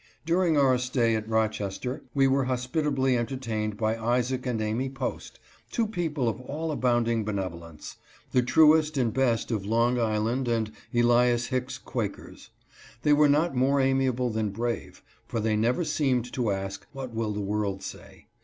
During our stay at Rochester we were hospitably enter 284 AT ROCHESTER. tained by Isaac and Amy Post, two people of all abound ing benevolence, the truest and best of Long Island and Elias Hicks Quakers. They were not more amiable than brave, for they never seemed to ask, What will the world say